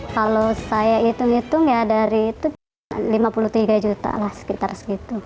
kalau saya hitung hitung ya dari itu lima puluh tiga juta lah sekitar segitu